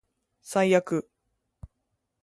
最悪